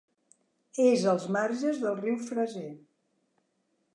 És als marges del riu Fraser.